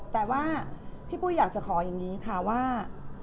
แต่ว่าพี่ปุ้ยอยากจะขออย่างนี้ค่ะว่า